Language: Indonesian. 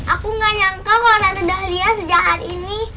aku gak nyangka kalau nana dahlia sejahat ini